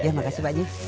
ya makasih pak ji